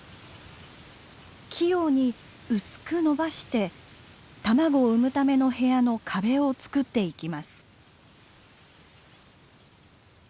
器用に薄くのばして卵を産むための部屋の壁を作っていきます。